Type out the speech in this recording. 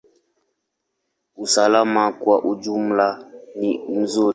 Usalama kwa ujumla ni nzuri.